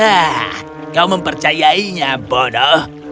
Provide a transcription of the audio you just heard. hah kau mempercayainya bodoh